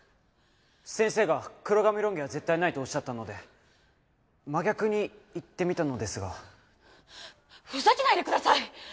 先生が黒髪ロン毛は絶対ないとおっしゃったので真逆にいってみたのですがふざけないでください